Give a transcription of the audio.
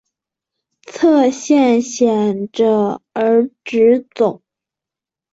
侧线显着而直走。